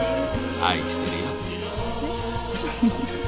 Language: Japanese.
愛してるよ。